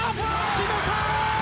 決めた！